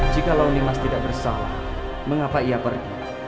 jika launimas tidak bersalah mengapa ia pergi